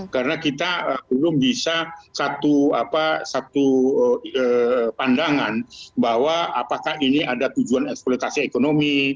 karena kita belum bisa satu pandangan bahwa apakah ini ada tujuan eksploitasi ekonomi